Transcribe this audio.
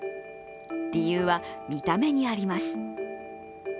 理由は、見た目にあります。